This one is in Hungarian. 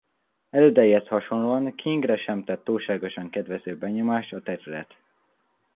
Elődeihez hasonlóan Kingre sem tett túlságosan kedvező benyomást a terület.